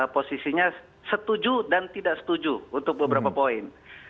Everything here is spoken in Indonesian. posisinya setuju dan tidak setuju untuk beberapa poin